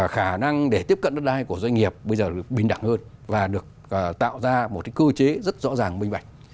khả năng để tiếp cận đất đai của doanh nghiệp bây giờ được bình đẳng hơn và được tạo ra một cái cơ chế rất rõ ràng bình bạch